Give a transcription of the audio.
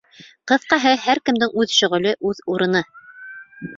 Ҡыҫҡаһы, һәр кемдең үҙ шөғөлө, үҙ урыны.